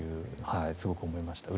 はいすごく思いました。